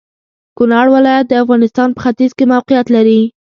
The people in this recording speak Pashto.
کونړ ولايت د افغانستان په ختيځ کې موقيعت لري.